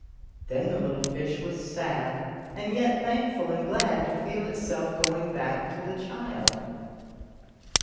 Then the little fish was sad, and yet thankful and glad to feel itself gcing back to the child.